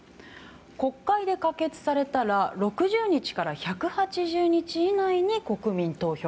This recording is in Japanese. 国会で可決されたら６０日から１８０日以内に国民投票。